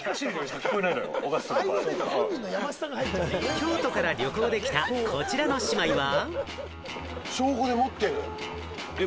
京都から旅行で来たこちらの姉妹は。